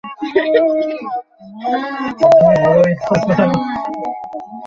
পর্তুগিজরা বণিকরা এ অঞ্চলে "ফিরিঙ্গি" নামে পরিচিত ছিলো।